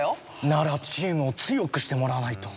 ならチームを強くしてもらわないと。